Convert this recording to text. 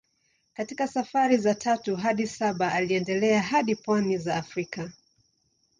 Katika safari za tatu hadi saba aliendelea hadi pwani za Afrika.